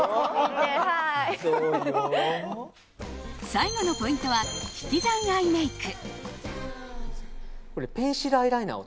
最後のポイントは引き算アイメイク。